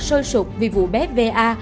sôi sụp vì vụ bé va